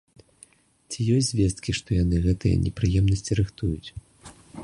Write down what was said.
Ці ёсць звесткі, што яны гэтыя непрыемнасці рыхтуюць.